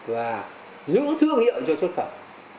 và giữ thương hiệu cho xuất phẩm